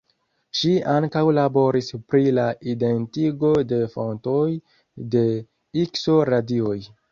Ŝi ankaŭ laboris pri la identigo de fontoj de ikso-radioj.